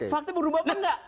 fakta berubah apa enggak